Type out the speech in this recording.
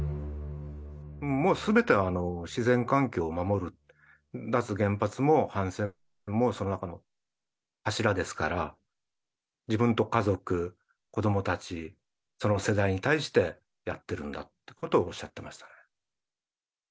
もうすべては自然環境を守る、脱原発も反戦もその中の柱ですから、自分と家族、子どもたち、その世代に対してやってるんだということをおっしゃってました。